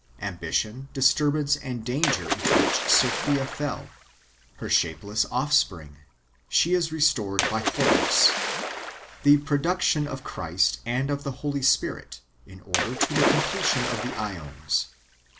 Ambition^ disturbance, and danger into ivliicli Sophia fell; her shapeless offspring : she is restored by Hoi'os. The production of Christ and of the Holy Spirit, in order to the completion of the jEons.